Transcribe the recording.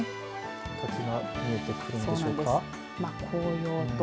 先が見えてくるんでしょうか。